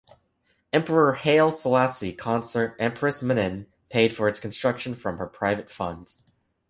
Emperor Haile Selassie's consort, Empress Menen, paid for its construction from her private funds.